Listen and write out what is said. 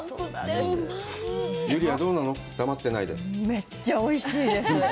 めっちゃおいしいです。